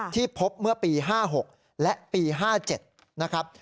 ที่พบเมื่อปี๕๖และปี๕๗นะครับ